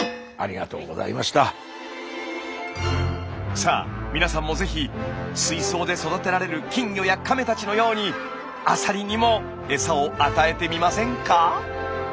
さあ皆さんもぜひ水槽で育てられる金魚や亀たちのようにアサリにもエサを与えてみませんか？